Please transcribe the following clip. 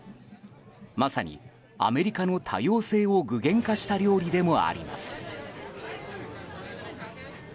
まさにアメリカの多様性を具現化した料理でもあります。